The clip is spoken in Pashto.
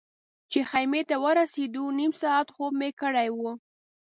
چې خیمې ته ورسېدو نیم ساعت خوب مې کړی و.